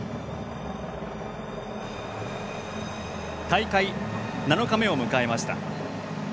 大会７日目を迎えました。